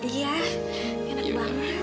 iya enak banget